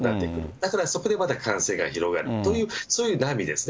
だからそこでまた感染が広がるというそういう波ですね。